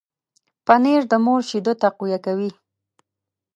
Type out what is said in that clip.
پنېر د مور شیدو تقویه کوي.